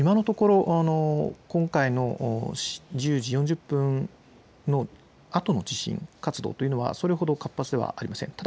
今回の１０時４０分のあとの地震活動はそれほど活発ではありません。